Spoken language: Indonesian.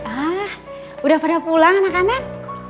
hah udah pada pulang anak anak